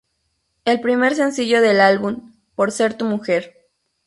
El primer sencillo del álbum, Por ser tu mujer.